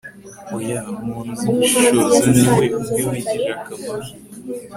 oya, umuntu uzi gushishoza, ni we ubwe wigirira akamaro